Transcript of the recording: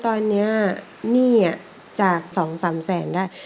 ตอนนี้หนี้จาก๒๓แสนได้